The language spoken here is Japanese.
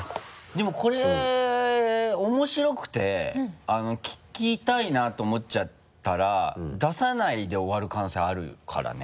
でもこれ面白くて聞きたいなと思っちゃったら出さないで終わる可能性あるからね。